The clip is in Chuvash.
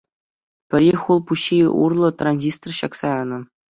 Пӗри хул-пуҫҫи урлӑ транзистор ҫакса янӑ.